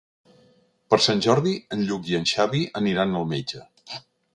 Per Sant Jordi en Lluc i en Xavi aniran al metge.